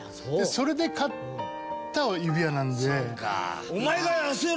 それで買った指輪なんで。